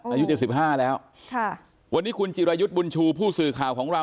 อายุ๗๕แล้ววันนี้คุณจิรายุทธ์บุญชูผู้สื่อข่าวของเรา